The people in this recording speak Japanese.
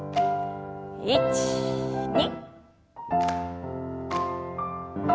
１２。